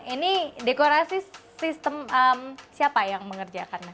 ini dekorasi sistem siapa yang mengerjakannya